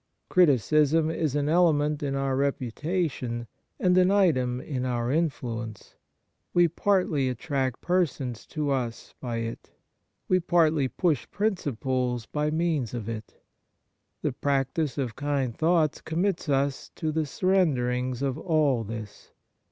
Criticism is an element in our reputation, and an item in our influ ence. We partly attract persons to us by it. We partly push principles by means of it. The practice of kind thoughts com mits us to the surrendering of all this.